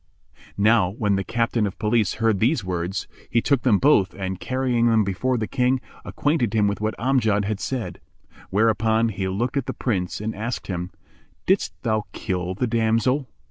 Now when the Captain of Police heard these words, he took them both and, carrying them before the King, acquainted him with what Amjad had said; whereupon he looked at the Prince and asked him, "Didst thou kill the damsel?"